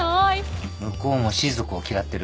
向こうもしず子を嫌ってる。